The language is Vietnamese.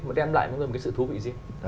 mà đem lại với mọi người một cái sự thú vị riêng